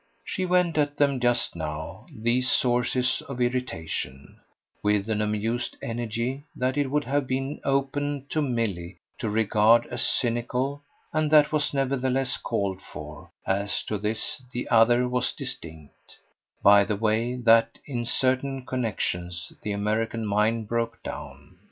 She went at them just now, these sources of irritation, with an amused energy that it would have been open to Milly to regard as cynical and that was nevertheless called for as to this the other was distinct by the way that in certain connexions the American mind broke down.